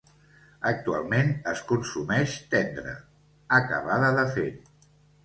Actualment es consumeix tendra, acabada de fer.